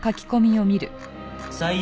「最悪。